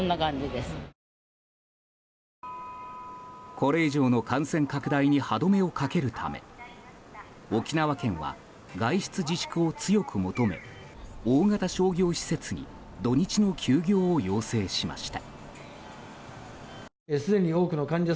これ以上の感染拡大に歯止めをかけるため沖縄県は外出自粛を強く求め大型商業施設に土日の休業を要請しました。